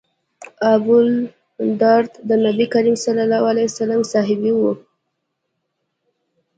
ابوالدرداء د نبي کریم ص صحابي و.